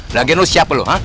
lagi lu siapa lu